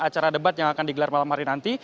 acara debat yang akan digelar malam hari nanti